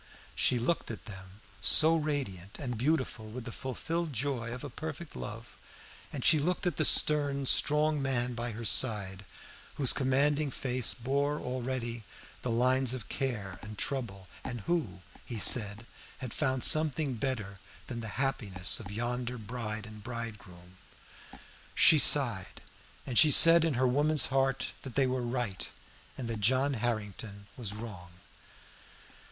She looked at them, so radiant and beautiful with the fulfilled joy of a perfect love, and she looked at the stern, strong man by her side, whose commanding face bore already the lines of care and trouble, and who, he said, had found something better than the happiness of yonder bride and bridegroom. She sighed, and she said in her woman's heart that they were right, and that John Harrington was wrong.